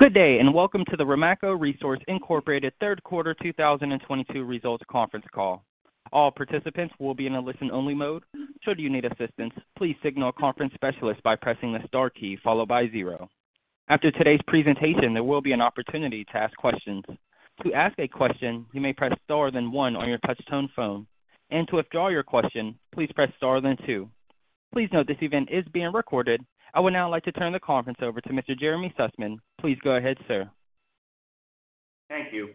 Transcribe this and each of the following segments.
Good day, and welcome to the Ramaco Resources, Inc. third quarter 2022 results conference call. All participants will be in a listen-only mode. Should you need assistance, please signal a conference specialist by pressing the star key followed by zero. After today's presentation, there will be an opportunity to ask questions. To ask a question, you may press star then one on your touch tone phone, and to withdraw your question, please press star then two. Please note this event is being recorded. I would now like to turn the conference over to Mr. Jeremy Sussman. Please go ahead, sir. Thank you.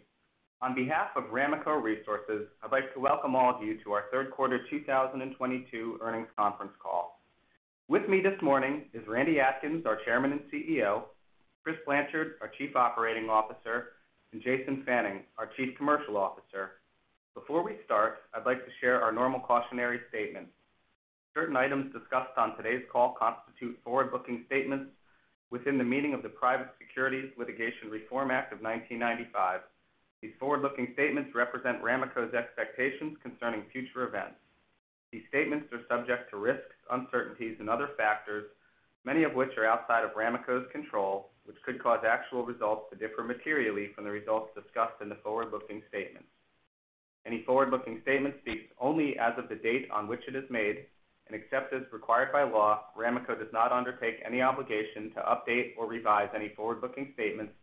On behalf of Ramaco Resources, I'd like to welcome all of you to our third quarter 2022 earnings conference call. With me this morning is Randy Atkins, our Chairman and CEO, Chris Blanchard, our Chief Operating Officer, and Jason Fannin, our Chief Commercial Officer. Before we start, I'd like to share our normal cautionary statement. Certain items discussed on today's call constitute forward-looking statements within the meaning of the Private Securities Litigation Reform Act of 1995. These forward-looking statements represent Ramaco's expectations concerning future events. These statements are subject to risks, uncertainties and other factors, many of which are outside of Ramaco's control, which could cause actual results to differ materially from the results discussed in the forward-looking statements. Any forward-looking statement speaks only as of the date on which it is made, and except as required by law, Ramaco does not undertake any obligation to update or revise any forward-looking statements,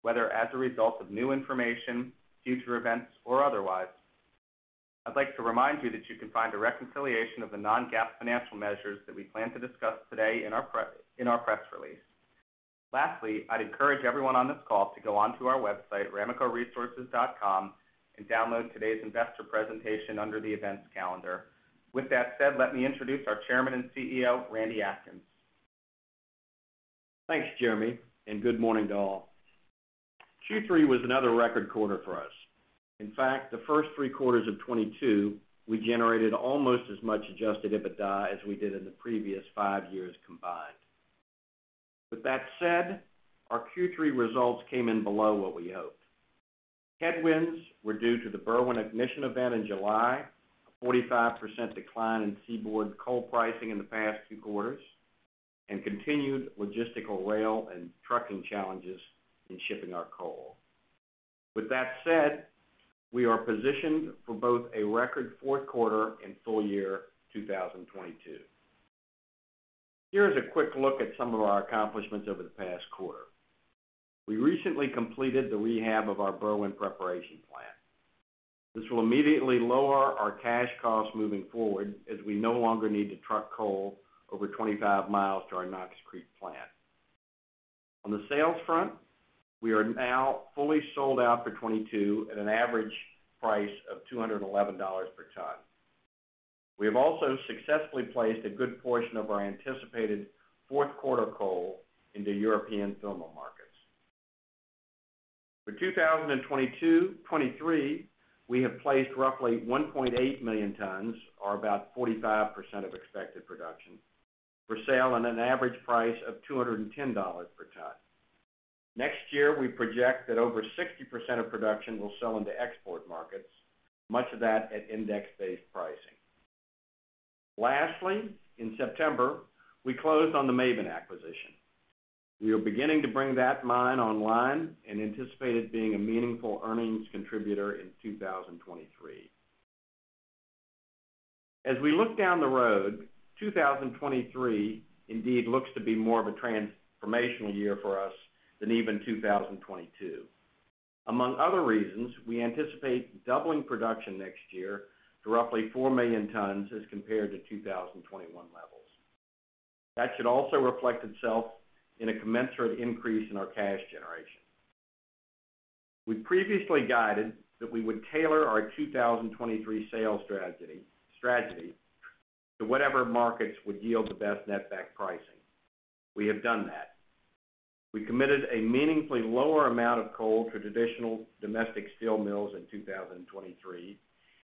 whether as a result of new information, future events, or otherwise. I'd like to remind you that you can find a reconciliation of the non-GAAP financial measures that we plan to discuss today in our press release. Lastly, I'd encourage everyone on this call to go onto our website, ramacoresources.com, and download today's investor presentation under the events calendar. With that said, let me introduce our Chairman and CEO, Randy Atkins. Thanks, Jeremy, and good morning to all. Q3 was another record quarter for us. In fact, the first three quarters of 2022, we generated almost as much adjusted EBITDA as we did in the previous five years combined. With that said, our Q3 results came in below what we hoped. Headwinds were due to the Berwind ignition event in July, a 45% decline in seaborne coal pricing in the past two quarters, and continued logistical rail and trucking challenges in shipping our coal. With that said, we are positioned for both a record fourth quarter and full year 2022. Here is a quick look at some of our accomplishments over the past quarter. We recently completed the rehab of our Berwind preparation plant. This will immediately lower our cash costs moving forward as we no longer need to truck coal over 25 miles to our Knox Creek plant. On the sales front, we are now fully sold out for 2022 at an average price of $211 per ton. We have also successfully placed a good portion of our anticipated fourth quarter coal into European thermal markets. For 2022, 2023, we have placed roughly 1.8 million tons, or about 45% of expected production, for sale on an average price of $210 per ton. Next year, we project that over 60% of production will sell into export markets, much of that at index-based pricing. Lastly, in September, we closed on the Maben acquisition. We are beginning to bring that mine online and anticipate it being a meaningful earnings contributor in 2023. As we look down the road, 2023 indeed looks to be more of a transformational year for us than even 2022. Among other reasons, we anticipate doubling production next year to roughly 4 million tons as compared to 2021 levels. That should also reflect itself in a commensurate increase in our cash generation. We previously guided that we would tailor our 2023 sales strategy to whatever markets would yield the best net-back pricing. We have done that. We committed a meaningfully lower amount of coal to traditional domestic steel mills in 2023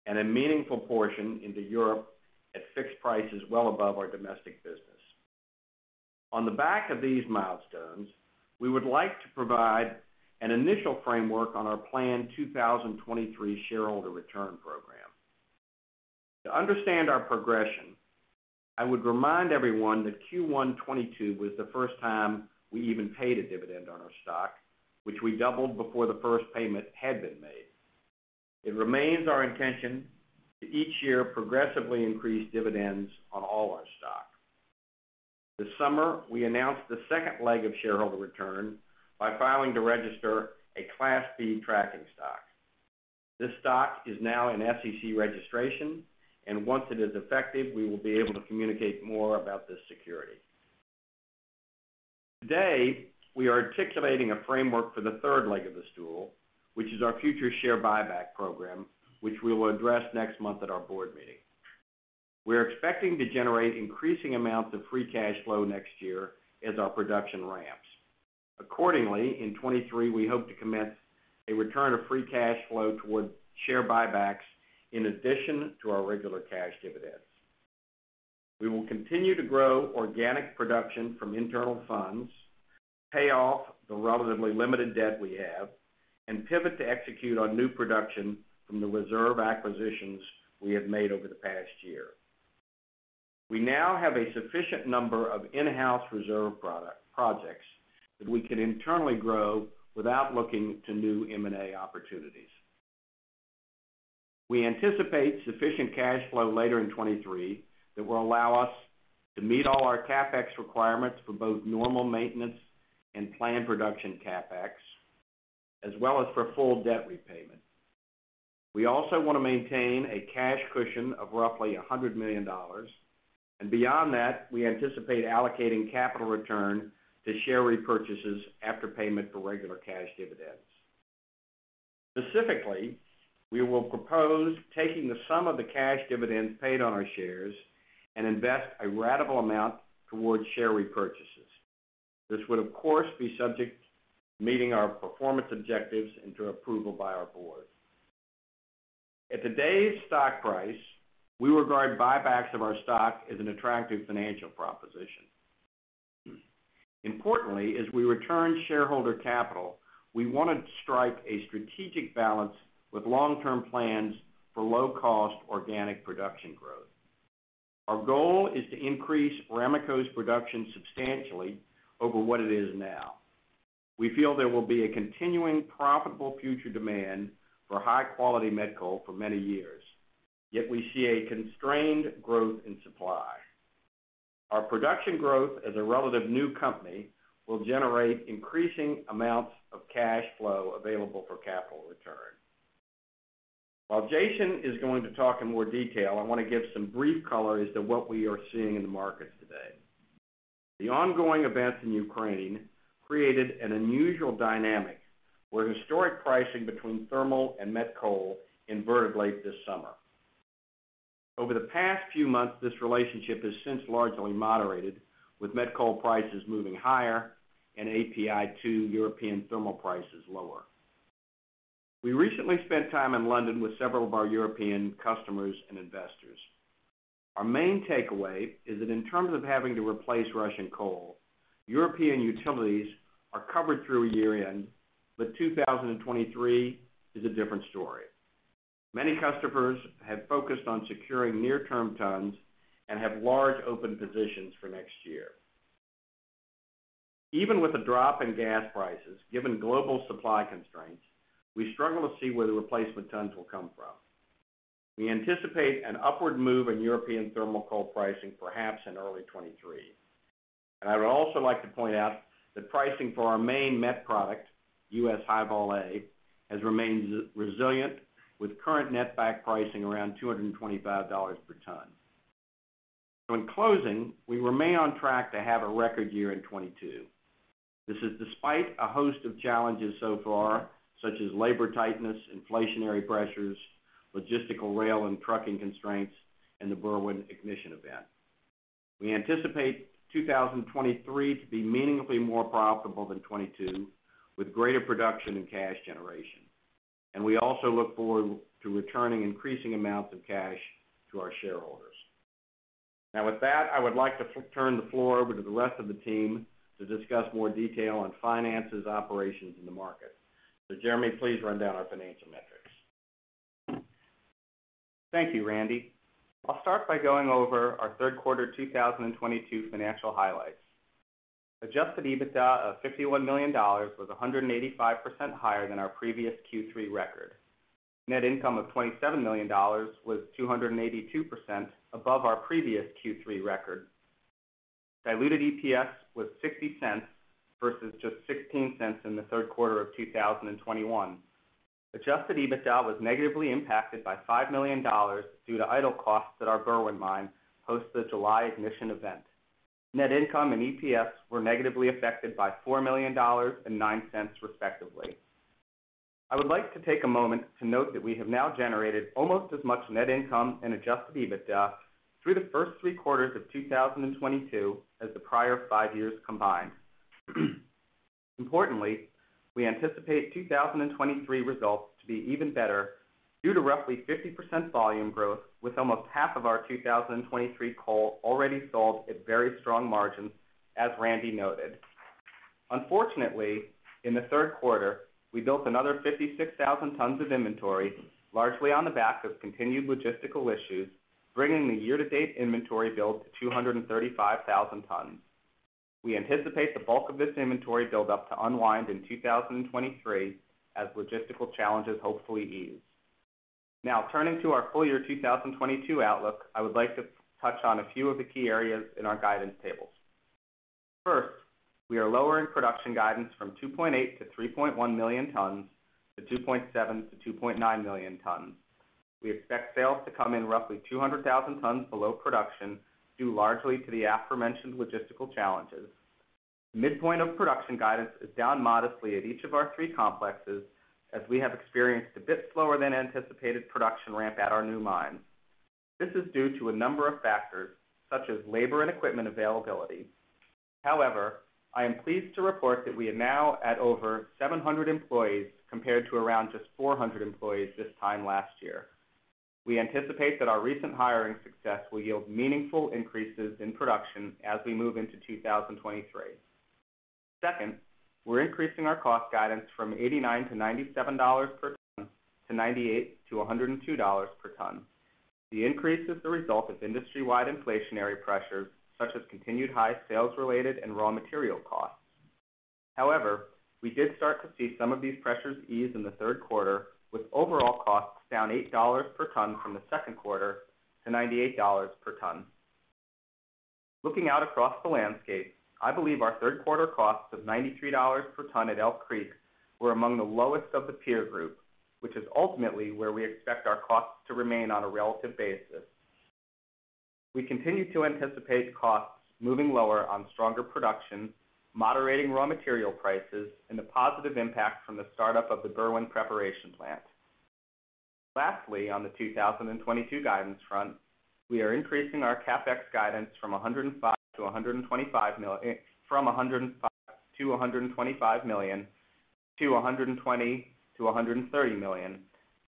and a meaningful portion into Europe at fixed prices well above our domestic business. On the back of these milestones, we would like to provide an initial framework on our planned 2023 shareholder return program. To understand our progression, I would remind everyone that Q1 2022 was the first time we even paid a dividend on our stock, which we doubled before the first payment had been made. It remains our intention to each year progressively increase dividends on all our stock. This summer, we announced the second leg of shareholder return by filing to register a Class B tracking stock. This stock is now in SEC registration, and once it is effective, we will be able to communicate more about this security. Today, we are articulating a framework for the third leg of the stool, which is our future share buyback program, which we will address next month at our board meeting. We are expecting to generate increasing amounts of free cash flow next year as our production ramps. Accordingly, in 2023 we hope to commence a return of free cash flow towards share buybacks in addition to our regular cash dividends. We will continue to grow organic production from internal funds, pay off the relatively limited debt we have, and pivot to execute on new production from the reserve acquisitions we have made over the past year. We now have a sufficient number of in-house reserve production projects that we can internally grow without looking to new M&A opportunities. We anticipate sufficient cash flow later in 2023 that will allow us to meet all our CapEx requirements for both normal maintenance and planned production CapEx, as well as for full debt repayment. We also want to maintain a cash cushion of roughly $100 million. Beyond that, we anticipate allocating capital return to share repurchases after payment for regular cash dividends. Specifically, we will propose taking the sum of the cash dividends paid on our shares and invest a ratable amount towards share repurchases. This would, of course, be subject to meeting our performance objectives and to approval by our board. At today's stock price, we regard buybacks of our stock as an attractive financial proposition. Importantly, as we return shareholder capital, we want to strike a strategic balance with long-term plans for low-cost organic production growth. Our goal is to increase Ramaco's production substantially over what it is now. We feel there will be a continuing profitable future demand for high-quality met coal for many years, yet we see a constrained growth in supply. Our production growth as a relative new company will generate increasing amounts of cash flow available for capital return. While Jason is going to talk in more detail, I want to give some brief color as to what we are seeing in the markets today. The ongoing events in Ukraine created an unusual dynamic where historic pricing between thermal and met coal inverted late this summer. Over the past few months, this relationship has since largely moderated, with met coal prices moving higher and API2 European thermal prices lower. We recently spent time in London with several of our European customers and investors. Our main takeaway is that in terms of having to replace Russian coal, European utilities are covered through year-end, but 2023 is a different story. Many customers have focused on securing near-term tons and have large open positions for next year. Even with a drop in gas prices, given global supply constraints, we struggle to see where the replacement tons will come from. We anticipate an upward move in European thermal coal pricing, perhaps in early 2023. I would also like to point out that pricing for our main met product, US High-Vol A, has remained resilient with current net back pricing around $225 per ton. In closing, we remain on track to have a record year in 2022. This is despite a host of challenges so far, such as labor tightness, inflationary pressures, logistical rail and trucking constraints, and the Berwind ignition event. We anticipate 2023 to be meaningfully more profitable than 2022, with greater production and cash generation. We also look forward to returning increasing amounts of cash to our shareholders. Now, with that, I would like to turn the floor over to the rest of the team to discuss more detail on finances, operations in the market. Jeremy, please run down our financial metrics. Thank you, Randy. I'll start by going over our third quarter 2022 financial highlights. Adjusted EBITDA of $51 million was 185% higher than our previous Q3 record. Net income of $27 million was 282% above our previous Q3 record. Diluted EPS was $0.60 versus just $0.16 in the third quarter of 2021. Adjusted EBITDA was negatively impacted by $5 million due to idle costs at our Berwind mine post the July ignition event. Net income and EPS were negatively affected by $4 million and $0.09, respectively. I would like to take a moment to note that we have now generated almost as much net income and adjusted EBITDA through the first three quarters of 2022 as the prior five years combined. Importantly, we anticipate 2023 results to be even better due to roughly 50% volume growth with almost half of our 2023 coal already sold at very strong margins, as Randy noted. Unfortunately, in the third quarter, we built another 56,000 tons of inventory, largely on the back of continued logistical issues, bringing the year-to-date inventory build to 235,000 tons. We anticipate the bulk of this inventory buildup to unwind in 2023 as logistical challenges hopefully ease. Now turning to our full-year 2022 outlook, I would like to touch on a few of the key areas in our guidance tables. First, we are lowering production guidance from 2.8-3.1 million tons to 2.7-2.9 million tons. We expect sales to come in roughly 200,000 tons below production, due largely to the aforementioned logistical challenges. Midpoint of production guidance is down modestly at each of our three complexes as we have experienced a bit slower than anticipated production ramp at our new mines. This is due to a number of factors, such as labor and equipment availability. However, I am pleased to report that we are now at over 700 employees, compared to around just 400 employees this time last year. We anticipate that our recent hiring success will yield meaningful increases in production as we move into 2023. Second, we're increasing our cost guidance from $89-$97 per ton to $98-$102 per ton. The increase is the result of industry-wide inflationary pressures, such as continued high sales-related and raw material costs. However, we did start to see some of these pressures ease in the third quarter, with overall costs down $8 per ton from the second quarter to $98 per ton. Looking out across the landscape, I believe our third quarter costs of $93 per ton at Elk Creek were among the lowest of the peer group, which is ultimately where we expect our costs to remain on a relative basis. We continue to anticipate costs moving lower on stronger production, moderating raw material prices, and the positive impact from the startup of the Berwind preparation plant. Lastly, on the 2022 guidance front, we are increasing our CapEx guidance from $105-$125 million to $120-$130 million.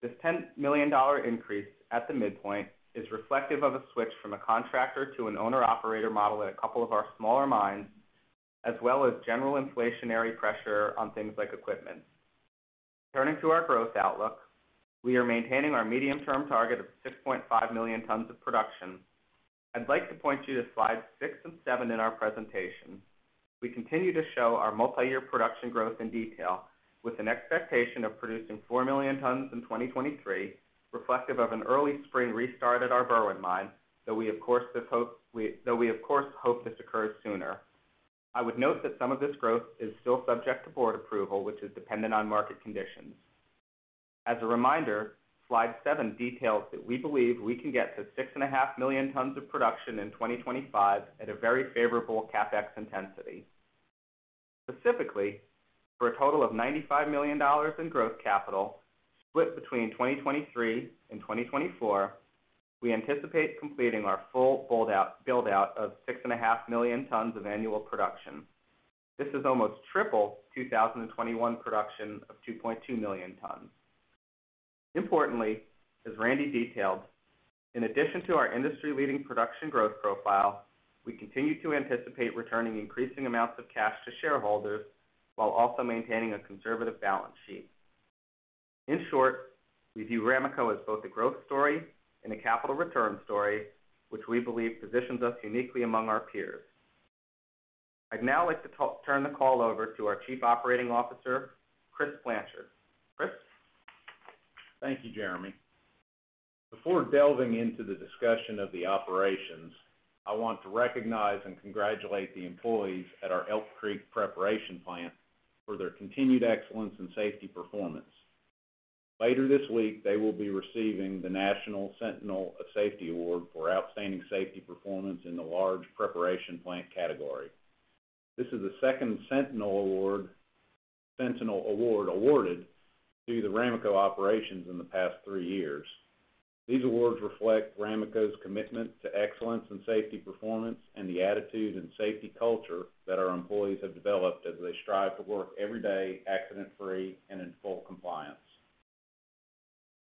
This $10 million increase at the midpoint is reflective of a switch from a contractor to an owner-operator model at a couple of our smaller mines, as well as general inflationary pressure on things like equipment. Turning to our growth outlook, we are maintaining our medium-term target of 6.5 million tons of production. I'd like to point you to slides 6 and 7 in our presentation. We continue to show our multiyear production growth in detail with an expectation of producing 4 million tons in 2023, reflective of an early spring restart at our Berwind mine, though we of course hope this occurs sooner. I would note that some of this growth is still subject to board approval, which is dependent on market conditions. As a reminder, slide 7 details that we believe we can get to 6.5 million tons of production in 2025 at a very favorable CapEx intensity. Specifically, for a total of $95 million in growth capital, split between 2023 and 2024, we anticipate completing our full buildout of 6.5 million tons of annual production. This is almost triple 2021 production of 2.2 million tons. Importantly, as Randy detailed, in addition to our industry-leading production growth profile, we continue to anticipate returning increasing amounts of cash to shareholders while also maintaining a conservative balance sheet. In short, we view Ramaco as both a growth story and a capital return story, which we believe positions us uniquely among our peers. I'd now like to turn the call over to our Chief Operating Officer, Chris Blanchard. Chris? Thank you, Jeremy. Before delving into the discussion of the operations, I want to recognize and congratulate the employees at our Elk Creek preparation plant for their continued excellence in safety performance. Later this week, they will be receiving the National Sentinels of Safety Award for outstanding safety performance in the large preparation plant category. This is the second Sentinel Award awarded to the Ramaco operations in the past three years. These awards reflect Ramaco's commitment to excellence in safety performance and the attitude and safety culture that our employees have developed as they strive to work every day accident-free and in full compliance.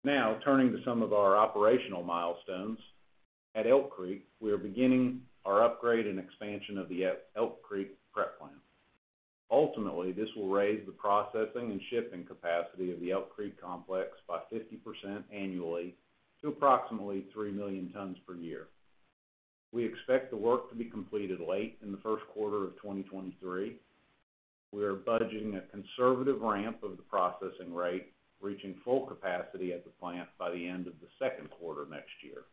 Now, turning to some of our operational milestones. At Elk Creek, we are beginning our upgrade and expansion of the Elk Creek prep plant. Ultimately, this will raise the processing and shipping capacity of the Elk Creek Complex by 50% annually to approximately 3 million tons per year. We expect the work to be completed late in the first quarter of 2023. We are budgeting a conservative ramp of the processing rate, reaching full capacity at the plant by the end of the second quarter next year.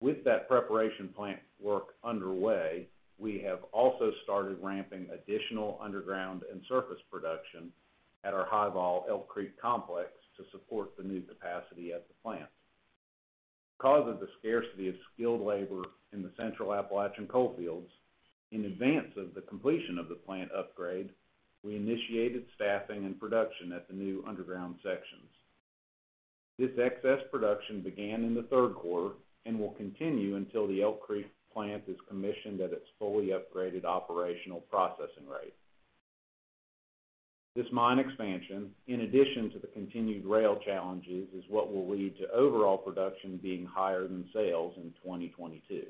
With that preparation plant work underway, we have also started ramping additional underground and surface production at our High-Vol Elk Creek Complex to support the new capacity at the plant. Because of the scarcity of skilled labor in the Central Appalachian coal fields, in advance of the completion of the plant upgrade, we initiated staffing and production at the new underground sections. This excess production began in the third quarter and will continue until the Elk Creek plant is commissioned at its fully upgraded operational processing rate. This mine expansion, in addition to the continued rail challenges, is what will lead to overall production being higher than sales in 2022.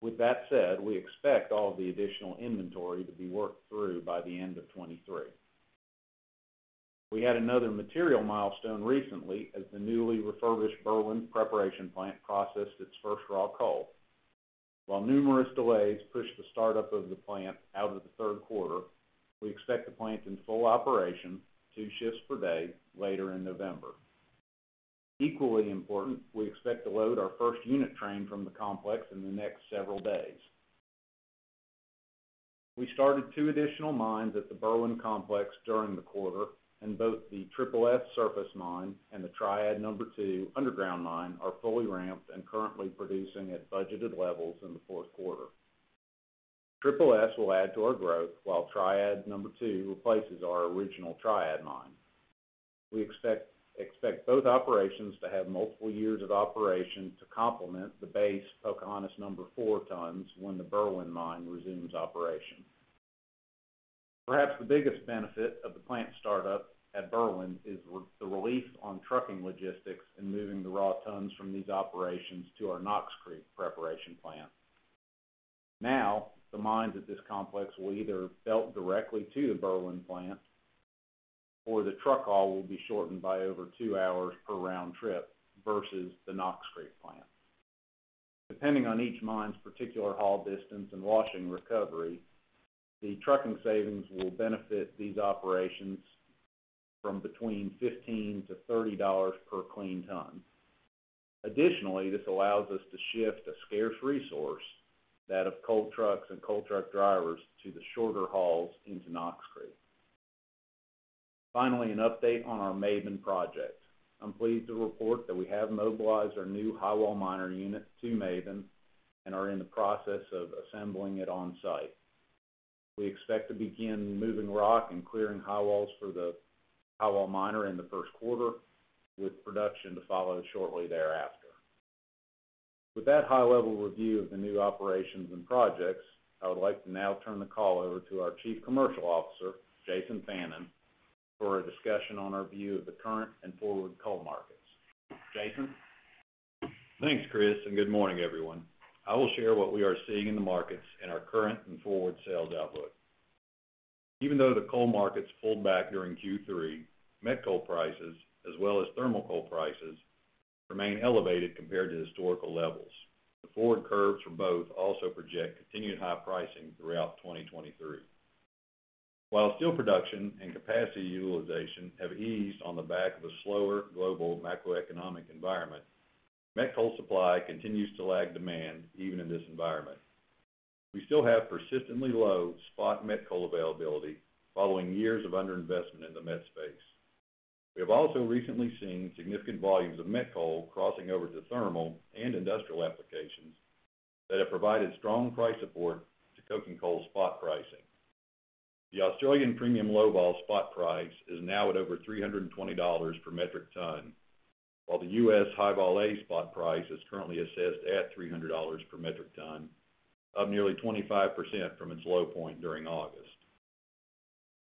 With that said, we expect all the additional inventory to be worked through by the end of 2023. We had another material milestone recently as the newly refurbished Berwind preparation plant processed its first raw coal. While numerous delays pushed the startup of the plant out of the third quarter, we expect the plant in full operation, 2 shifts per day, later in November. Equally important, we expect to load our first unit train from the complex in the next several days. We started two additional mines at the Berwind Complex during the quarter, and both the Triple S surface mine and the Triad number 2 underground mine are fully ramped and currently producing at budgeted levels in the fourth quarter. Triple S will add to our growth while Triad number 2 replaces our original Triad mine. We expect both operations to have multiple years of operation to complement the base Pocahontas No. 4 tons when the Berwind mine resumes operation. Perhaps the biggest benefit of the plant startup at Berwind is with the relief on trucking logistics and moving the raw tons from these operations to our Knox Creek preparation plant. Now, the mines at this complex will either belt directly to the Berwind plant or the truck haul will be shortened by over 2 hours per round trip versus the Knox Creek plant. Depending on each mine's particular haul distance and washing recovery, the trucking savings will benefit these operations from between $15-$30 per clean ton. Additionally, this allows us to shift a scarce resource, that of coal trucks and coal truck drivers to the shorter hauls into Knox Creek. Finally, an update on our Maben project. I'm pleased to report that we have mobilized our new highwall miner unit to Maben and are in the process of assembling it on-site. We expect to begin moving rock and clearing highwalls for the highwall miner in the first quarter, with production to follow shortly thereafter. With that high-level review of the new operations and projects, I would like to now turn the call over to our Chief Commercial Officer, Jason Fannin, for a discussion on our view of the current and forward coal markets. Jason? Thanks, Chris, and good morning, everyone. I will share what we are seeing in the markets and our current and forward sales outlook. Even though the coal markets pulled back during Q3, met coal prices as well as thermal coal prices remain elevated compared to historical levels. The forward curves for both also project continued high pricing throughout 2023. While steel production and capacity utilization have eased on the back of a slower global macroeconomic environment, met coal supply continues to lag demand even in this environment. We still have persistently low spot met coal availability following years of under-investment in the met space. We have also recently seen significant volumes of met coal crossing over to thermal and industrial applications that have provided strong price support to coking coal spot pricing. The Australian premium low vol spot price is now at over $320 per metric ton, while the U.S. High-Vol A spot price is currently assessed at $300 per metric ton, up nearly 25% from its low point during August.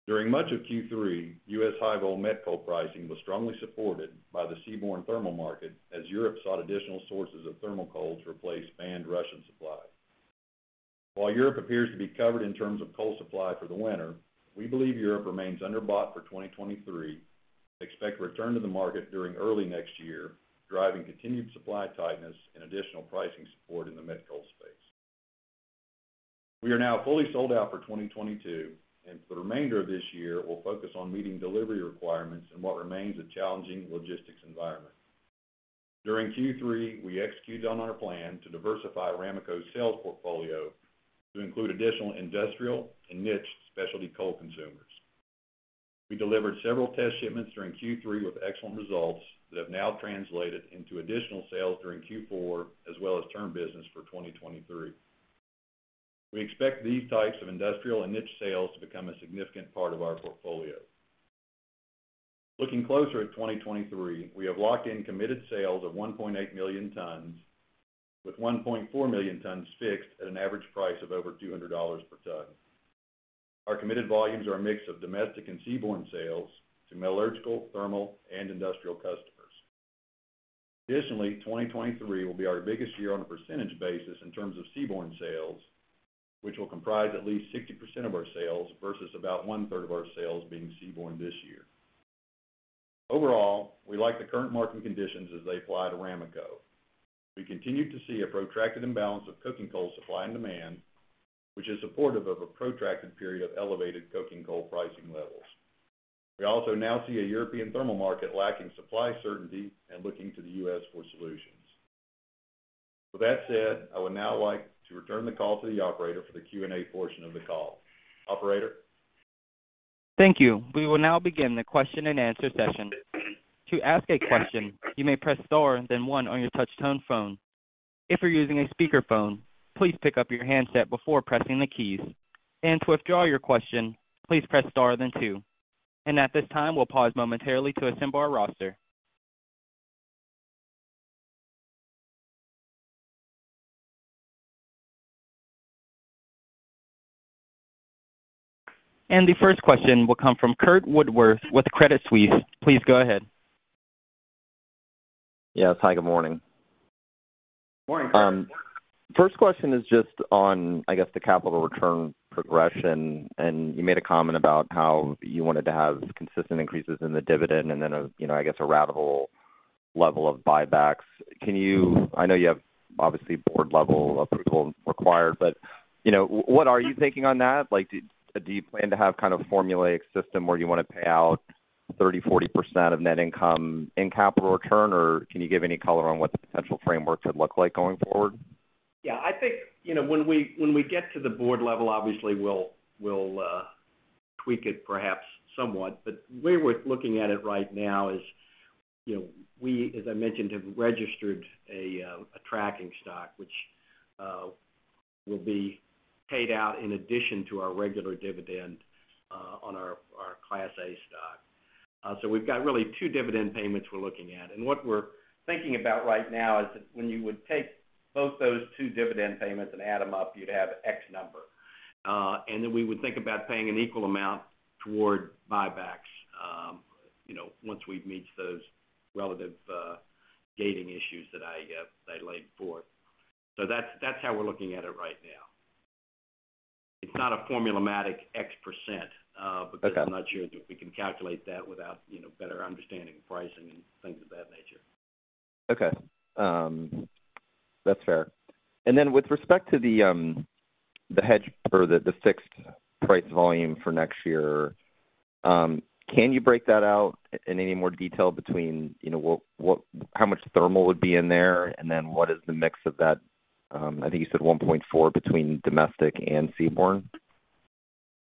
During much of Q3, U.S. high-vol met coal pricing was strongly supported by the seaborne thermal market as Europe sought additional sources of thermal coal to replace banned Russian supply. While Europe appears to be covered in terms of coal supply for the winter, we believe Europe remains underbought for 2023, expect return to the market during early next year, driving continued supply tightness and additional pricing support in the met coal space. We are now fully sold out for 2022, and for the remainder of this year, we'll focus on meeting delivery requirements in what remains a challenging logistics environment. During Q3, we executed on our plan to diversify Ramaco's sales portfolio to include additional industrial and niche specialty coal consumers. We delivered several test shipments during Q3 with excellent results that have now translated into additional sales during Q4, as well as term business for 2023. We expect these types of industrial and niche sales to become a significant part of our portfolio. Looking closer at 2023, we have locked in committed sales of 1.8 million tons, with 1.4 million tons fixed at an average price of over $200 per ton. Our committed volumes are a mix of domestic and seaborne sales to metallurgical, thermal, and industrial customers. Additionally, 2023 will be our biggest year on a percentage basis in terms of seaborne sales, which will comprise at least 60% of our sales versus about 1/3 of our sales being seaborne this year. Overall, we like the current market conditions as they apply to Ramaco. We continue to see a protracted imbalance of coking coal supply and demand, which is supportive of a protracted period of elevated coking coal pricing levels. We also now see a European thermal market lacking supply certainty and looking to the U.S. for solutions. With that said, I would now like to return the call to the operator for the Q&A portion of the call. Operator? Thank you. We will now begin the question-and-answer session. To ask a question, you may press star, then one on your touch tone phone. If you're using a speakerphone, please pick up your handset before pressing the keys. To withdraw your question, please press star then two. At this time, we'll pause momentarily to assemble our roster. The first question will come from Curt Woodworth with Credit Suisse. Please go ahead. Yes. Hi, good morning. Morning, Curt. First question is just on, I guess, the capital return progression. You made a comment about how you wanted to have consistent increases in the dividend and then a, you know, I guess, a radical level of buybacks. Can you? I know you have obviously board-level approval required, but, you know, what are you thinking on that? Like, do you plan to have kind of formulaic system where you wanna pay out 30%-40% of net income in capital return? Can you give any color on what the potential framework could look like going forward? Yeah. I think, you know, when we get to the board level, obviously we'll tweak it perhaps somewhat. But the way we're looking at it right now is, you know, we, as I mentioned, have registered a tracking stock, which will be paid out in addition to our regular dividend on our Class A stock. We've got really two dividend payments we're looking at. What we're thinking about right now is that when you would take both those two dividend payments and add them up, you'd have X number. We would think about paying an equal amount toward buybacks, you know, once we've meet those relative gating issues that I laid forth. That's how we're looking at it right now. It's not a formulaic X%. Okay. Because I'm not sure that we can calculate that without, you know, better understanding pricing and things of that nature. Okay. That's fair. With respect to the hedge or the fixed price volume for next year, can you break that out in any more detail between, you know, how much thermal would be in there, and then what is the mix of that, I think you said 1.4 between domestic and seaborne?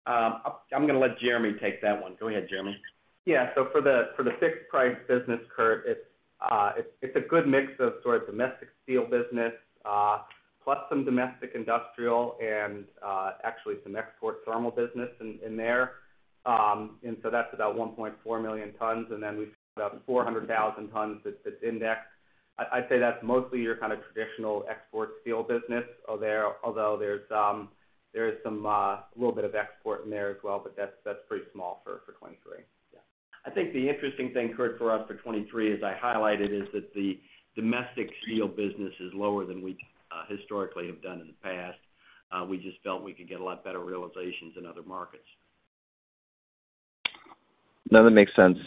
I'm gonna let Jeremy take that one. Go ahead, Jeremy. Yeah. For the fixed price business, Curt, it's a good mix of sort of domestic steel business, plus some domestic industrial and actually some export thermal business in there. And so that's about 1.4 million tons, and then we've got 400,000 tons that's indexed. I'd say that's mostly your kind of traditional export steel business. Although there is some a little bit of export in there as well, but that's pretty small for 2023. Yeah. I think the interesting thing, Curt, for us for 2023, as I highlighted, is that the domestic steel business is lower than we historically have done in the past. We just felt we could get a lot better realizations in other markets. No, that makes sense.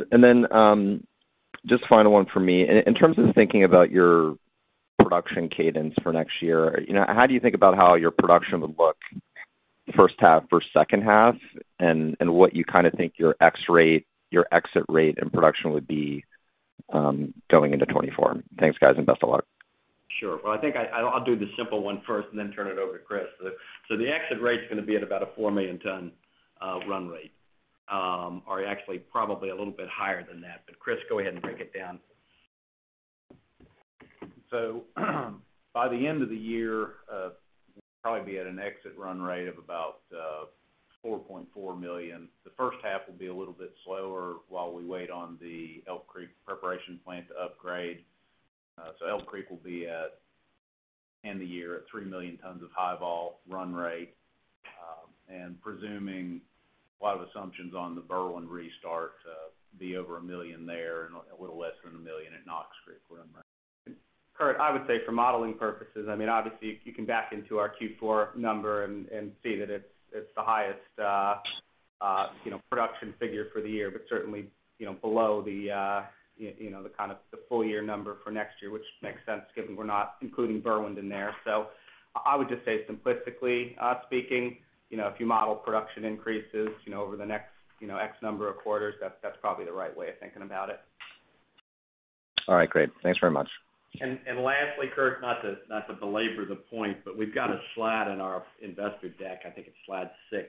Just final one for me. In terms of thinking about your production cadence for next year, you know, how do you think about how your production would look first half versus second half? What you kinda think your exit rate and production would be going into 2024? Thanks, guys, and best of luck. Sure. Well, I think I'll do the simple one first and then turn it over to Chris. The exit rate's gonna be at about a 4 million ton run rate. Actually probably a little bit higher than that. Chris, go ahead and break it down. By the end of the year, we'll probably be at an exit run rate of about 4.4 million tons. The first half will be a little bit slower while we wait on the Elk Creek preparation plant upgrade. Elk Creek will be at end of year at 3 million tons of High-Vol run rate. Presuming a lot of assumptions on the Berwind restart, be over a million there and a little less than a million at Knox Creek run rate. Curt, I would say for modeling purposes, I mean, obviously you can back into our Q4 number and see that it's the highest, you know, production figure for the year. Certainly, you know, below the, you know, the kind of the full year number for next year, which makes sense given we're not including Berwind in there. I would just say simplistically, speaking, you know, if you model production increases, you know, over the next, you know, X number of quarters, that's probably the right way of thinking about it. All right, great. Thanks very much. Lastly, Curt, not to belabor the point, but we've got a slide in our investor deck, I think it's slide 6,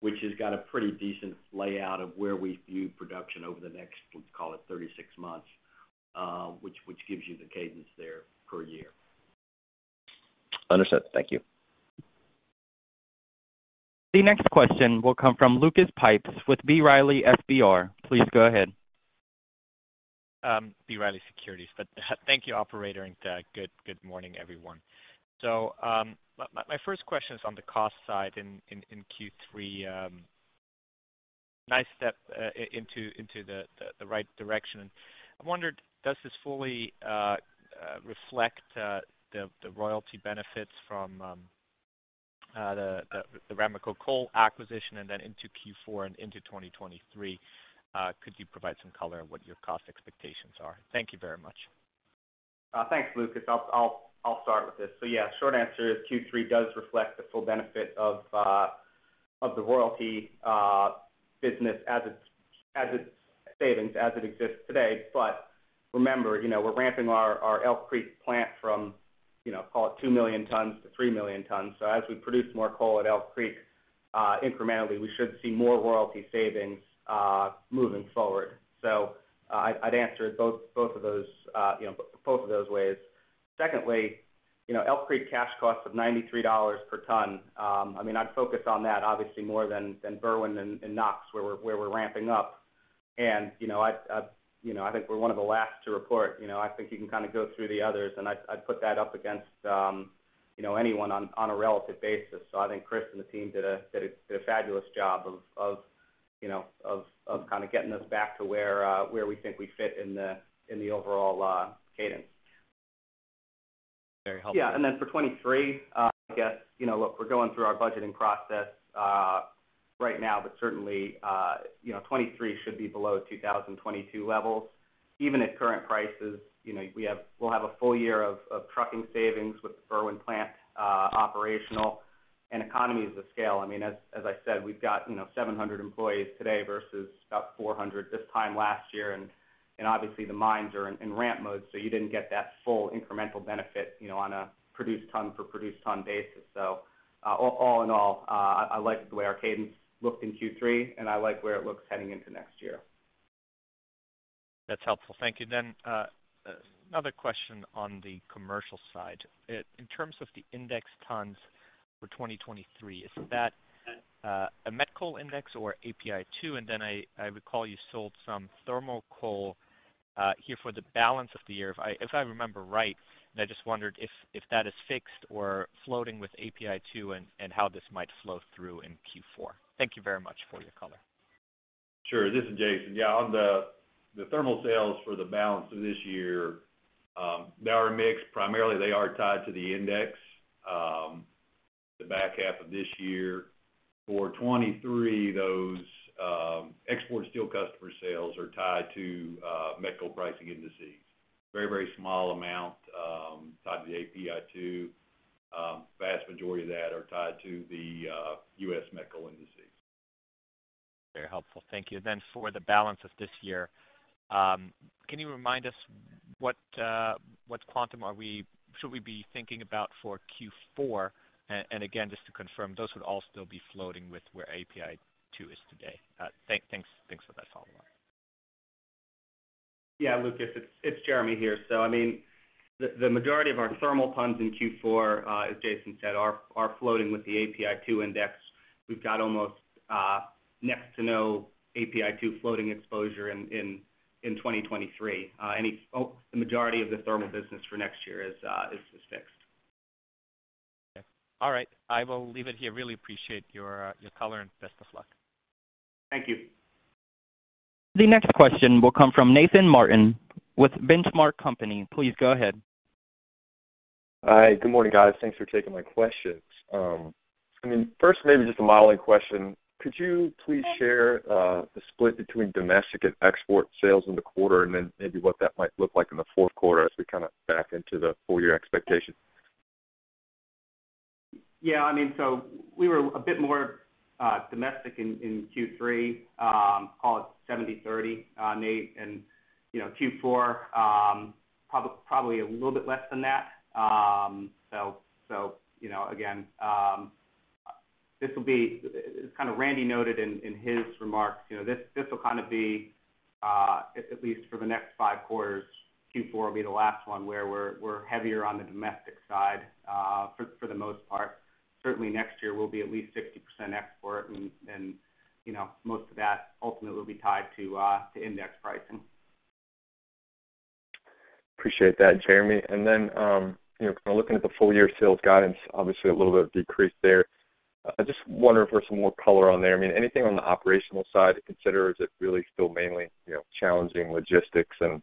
which has got a pretty decent layout of where we view production over the next, let's call it 36 months, which gives you the cadence there per year. Understood. Thank you. The next question will come from Lucas Pipes with B. Riley Securities. Please go ahead. B. Riley Securities. Thank you, operator, and good morning, everyone. My first question is on the cost side in Q3. Nice step into the right direction. I wondered, does this fully reflect the royalty benefits from the Ramaco Coal acquisition? Then into Q4 and into 2023, could you provide some color on what your cost expectations are? Thank you very much. Thanks, Lucas. I'll start with this. Yeah, short answer is Q3 does reflect the full benefit of the royalty business as it's savings as it exists today. Remember, you know, we're ramping our Elk Creek plant from, you know, call it 2 million tons to 3 million tons. As we produce more coal at Elk Creek incrementally, we should see more royalty savings moving forward. I'd answer both of those, you know, both of those ways. Secondly, you know, Elk Creek cash cost of $93 per ton. I mean, I'd focus on that obviously more than Berwind and Knox, where we're ramping up. You know, I think we're one of the last to report. You know, I think you can kind of go through the others, and I'd put that up against, you know, anyone on a relative basis. I think Chris and the team did a fabulous job of, you know, of kind of getting us back to where we think we fit in the overall cadence. Very helpful. Yeah. For 2023, I guess, you know, look, we're going through our budgeting process right now, but certainly, you know, 2023 should be below 2022 levels. Even at current prices, you know, we have a full year of trucking savings with the Berwind plant operational and economies of scale. I mean, as I said, we've got, you know, 700 employees today versus about 400 this time last year. Obviously the mines are in ramp mode, so you didn't get that full incremental benefit, you know, on a produced ton for produced ton basis. All in all, I liked the way our cadence looked in Q3, and I like where it looks heading into next year. That's helpful. Thank you. Another question on the commercial side. In terms of the index tons for 2023, is that a met coal index or API2? I recall you sold some thermal coal here for the balance of the year, if I remember right. I just wondered if that is fixed or floating with API2 and how this might flow through in Q4. Thank you very much for your color. Sure. This is Jason. Yeah, on the thermal sales for the balance of this year, they are mixed. Primarily, they are tied to the index, the back half of this year. For 2023, those export steel customer sales are tied to met coal pricing indices. Very small amount tied to the API2. Vast majority of that are tied to the US met coal indices. Very helpful. Thank you. For the balance of this year, can you remind us what quantum should we be thinking about for Q4? Again, just to confirm, those would all still be floating with where API2 is today. Thanks for that follow-up. Lucas, it's Jeremy here. I mean, the majority of our thermal tons in Q4, as Jason said, are floating with the API2 index. We've got almost next to no API2 floating exposure in 2023. The majority of the thermal business for next year is fixed. Okay. All right. I will leave it here. Really appreciate your color, and best of luck. Thank you. The next question will come from Nathan Martin with The Benchmark Company. Please go ahead. Hi. Good morning, guys. Thanks for taking my questions. I mean, first maybe just a modeling question. Could you please share the split between domestic and export sales in the quarter, and then maybe what that might look like in the fourth quarter as we kind of back into the full year expectations? Yeah. I mean, we were a bit more domestic in Q3, call it 70/30, Nate. You know, Q4 probably a little bit less than that. You know, again, this will be kind of as Randy noted in his remarks, you know, this will kind of be at least for the next 5 quarters, Q4 will be the last one where we're heavier on the domestic side for the most part. Certainly next year will be at least 60% export and you know, most of that ultimately will be tied to index pricing. Appreciate that, Jeremy. Then, you know, kind of looking at the full year sales guidance, obviously a little bit of decrease there. I just wonder for some more color on there. I mean, anything on the operational side to consider? Is it really still mainly, you know, challenging logistics? You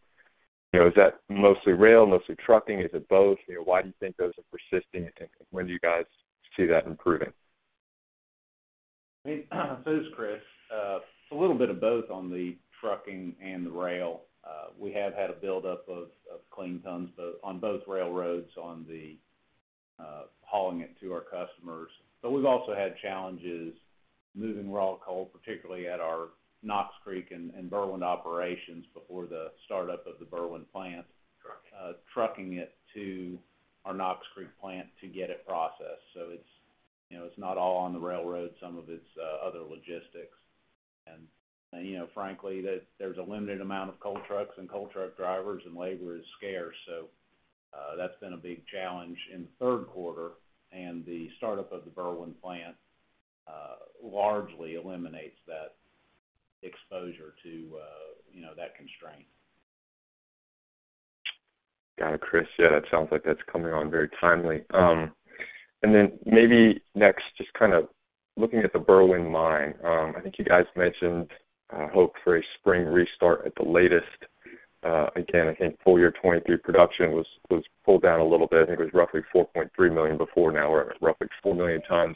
know, is that mostly rail, mostly trucking? Is it both? You know, why do you think those are persisting, and when do you guys see that improving? I mean, does Chris. It's a little bit of both on the trucking and the rail. We have had a buildup of clean tons on both railroads on the hauling it to our customers. We've also had challenges moving raw coal, particularly at our Knox Creek and Berwind operations before the startup of the Berwind plant. Trucking Trucking it to our Knox Creek plant to get it processed. It's, you know, it's not all on the railroad. Some of it's other logistics. You know, frankly, there's a limited amount of coal trucks and coal truck drivers and labor is scarce. That's been a big challenge in the third quarter. The startup of the Berwind plant largely eliminates that exposure to, you know, that constraint. Got it, Chris. Yeah, that sounds like that's coming on very timely. Maybe next, just kind of looking at the Berwind mine. I think you guys mentioned hope for a spring restart at the latest. Again, I think full-year 2023 production was pulled down a little bit. I think it was roughly 4.3 million before. Now we're at roughly 4 million tons.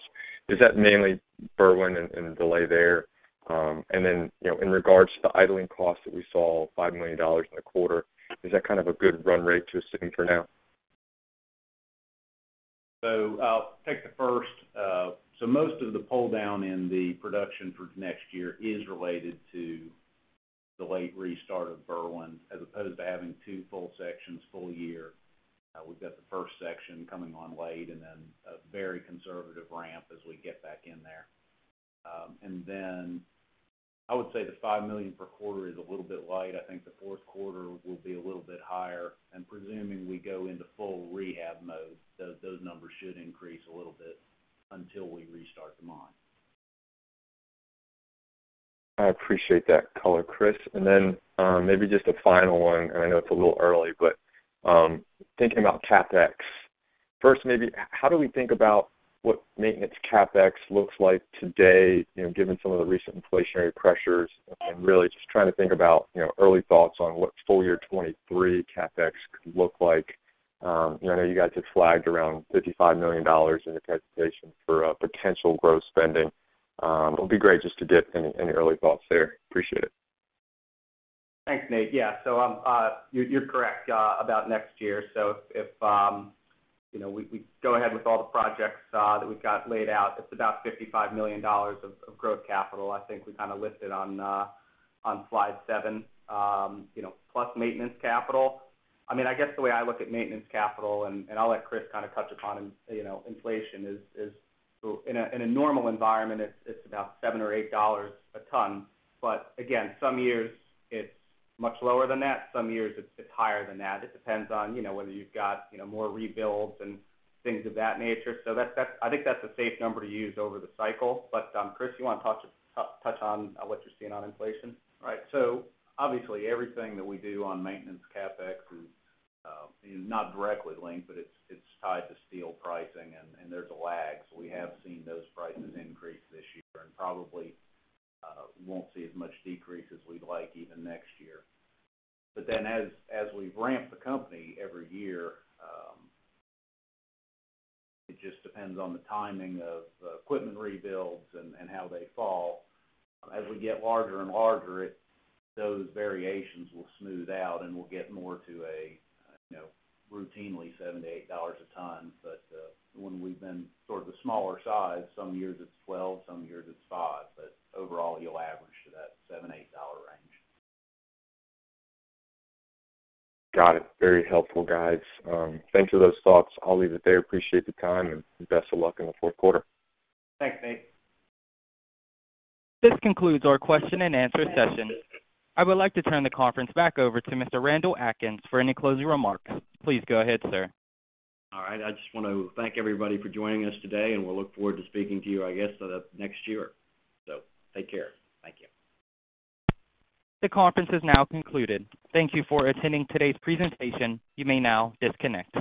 Is that mainly Berwind and the delay there? You know, in regards to the idling costs that we saw, $5 million in the quarter, is that kind of a good run rate to assume for now? I'll take the first. Most of the pull down in the production for next year is related to the late restart of Berwind, as opposed to having two full sections full year. We've got the first section coming on late and then a very conservative ramp as we get back in there. I would say the 5 million per quarter is a little bit light. I think the fourth quarter will be a little bit higher. Presuming we go into full rehab mode, those numbers should increase a little bit until we restart the mine. I appreciate that color, Chris. Maybe just a final one, and I know it's a little early. Thinking about CapEx. First, maybe how do we think about what maintenance CapEx looks like today, you know, given some of the recent inflationary pressures? Really just trying to think about, you know, early thoughts on what full year 2023 CapEx could look like. You know, I know you guys have flagged around $55 million in the presentation for potential growth spending. It'll be great just to get any early thoughts there. Appreciate it. Thanks, Nate. Yeah. You're correct about next year. If you know, we go ahead with all the projects that we've got laid out, it's about $55 million of growth capital I think we kind of listed on on slide 7, you know, plus maintenance capital. I mean, I guess the way I look at maintenance capital, and I'll let Chris kind of touch upon you know, inflation is in a normal environment, it's about $7 or $8 a ton. Again, some years it's much lower than that, some years it's higher than that. It depends on you know, whether you've got you know, more rebuilds and things of that nature. That's I think that's a safe number to use over the cycle. Chris, you wanna touch on what you're seeing on inflation? Right. Obviously everything that we do on maintenance CapEx is not directly linked, but it's tied to steel pricing and there's a lag. We have seen those prices increase this year and probably won't see as much decrease as we'd like even next year. As we ramp the company every year, it just depends on the timing of the equipment rebuilds and how they fall. As we get larger and larger, it those variations will smooth out, and we'll get more to a you know routinely $7-$8 a ton. When we've been sort of the smaller size, some years it's $12, some years it's $5. Overall, you'll average to that $7-$8 dollar range. Got it. Very helpful, guys. Thanks for those thoughts. I'll leave it there. Appreciate the time and best of luck in the fourth quarter. Thanks, Nate. This concludes our question and answer session. I would like to turn the conference back over to Mr. Randall Atkins for any closing remarks. Please go ahead, sir. All right. I just want to thank everybody for joining us today, and we'll look forward to speaking to you, I guess, next year. Take care. Thank you. The conference is now concluded. Thank you for attending today's presentation. You may now disconnect.